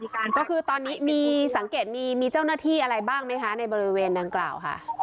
ก็คือตอนนี้มีสังเกตมีมีเจ้าหน้าที่อะไรบ้างไหมคะในบริเวณดังกล่าวค่ะ